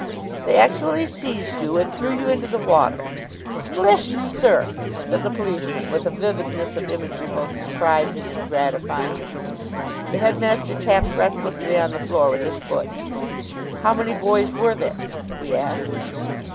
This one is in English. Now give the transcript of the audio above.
They actually seized you, and threw you into the water " "Splish, sir!" said the policeman, with a vividness of imagery both surprising and gratifying. The headmaster tapped restlessly on the floor with his foot. "How many boys were there?" he asked.